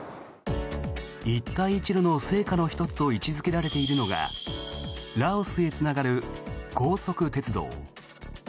一帯一路の成果の１つと位置付けられているのがラオスへつながる高速鉄道。